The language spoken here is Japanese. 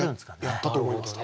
やったと思います